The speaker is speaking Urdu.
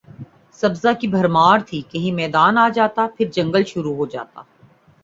سبزہ کی بھرمار تھی کہیں میدان آ جاتا پھر جنگل شروع ہو جاتا